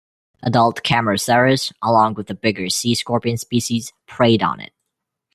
Adult "Cameroceras", along with the bigger sea scorpion species, preyed on it.